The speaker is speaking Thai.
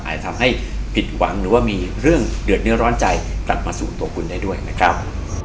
ทำให้ผิดหวังหรือว่ามีเรื่องเดือดเนื้อร้อนใจกลับมาสู่ตัวคุณได้ด้วยนะครับ